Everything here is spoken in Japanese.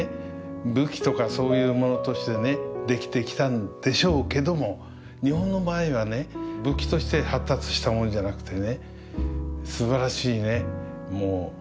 武器とかそういうものとしてね出来てきたんでしょうけども日本の場合はね武器として発達したものじゃなくてね